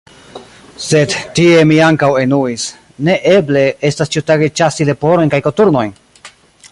Sed tie mi ankaŭ enuis: ne eble estas ĉiutage ĉasi leporojn aŭ koturnojn!